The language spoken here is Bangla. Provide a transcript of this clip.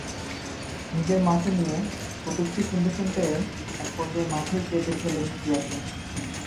নিজের মাকে নিয়ে কটূক্তি শুনতে শুনতে একপর্যায়ে মাঠেই কেঁদে ফেলেন ইয়াসিন।